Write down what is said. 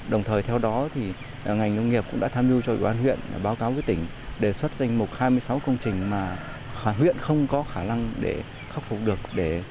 đồng thời theo đó thì ngành nông nghiệp cũng đã tham mưu cho ủy ban huyện báo cáo với tỉnh đề xuất danh mục hai mươi sáu công trình mà huyện không có khả năng để khắc phục được